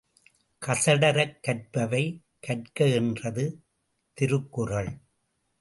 கசடறக் கற்பவை கற்க என்றது திருக்குறள்.